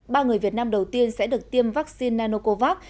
ba người việt nam đầu tiên sẽ được tiêm vaccine nanocovax